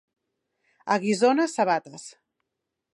A Guissona, sabates.